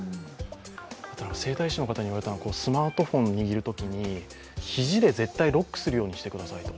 整体師の方に言われたのは、スマートフォンを握るときに肘で絶対ロックするようにしてくださいと。